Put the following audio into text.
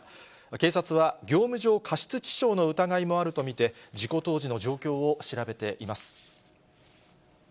警察は、業務上過失致傷の疑いもあると見て、事故当時の状況を調べています。